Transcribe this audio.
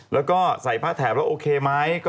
แล้วก็ใส่ผ้าแถมว่าโอเคไหม